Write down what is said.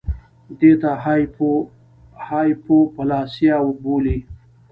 دې ته هایپوپلاسیا بولي